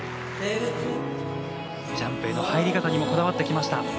ジャンプへの入り方にもこだわってきました。